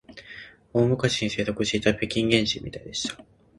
大昔に生息していた北京原人みたいでした